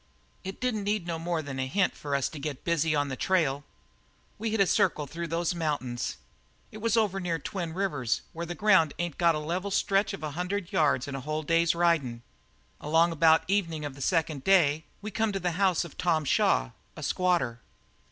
"It didn't need no more than a hint for us to get busy on the trail. We hit a circle through the mountains it was over near Twin Rivers where the ground ain't got a level stretch of a hundred yards in a whole day's ridin'. And along about evenin' of the second day we come to the house of Tom Shaw, a squatter.